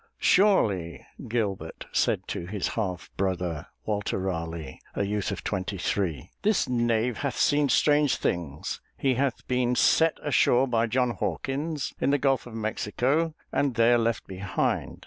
"Surely," Gilbert said to his half brother, Walter Raleigh, a youth of twenty three, "this knave hath seen strange things. He hath been set ashore by John Hawkins in the Gulf of Mexico and there left behind.